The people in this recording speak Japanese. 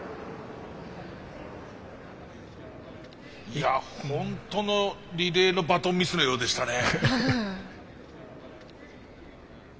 いやホントのリレーのバトンミスのようでしたね。